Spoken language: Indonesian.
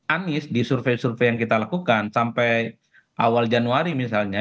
anies di survei survei yang kita lakukan sampai awal januari misalnya